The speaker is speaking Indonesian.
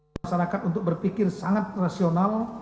masyarakat untuk berpikir sangat rasional